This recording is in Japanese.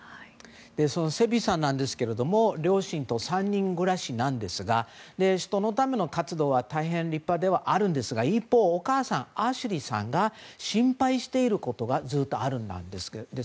セビーさんですが両親と３人暮らしなんですが人のための活動は大変立派ではあるんですが、一方お母さんのアシュリーさんが心配していることがずっとあるんです。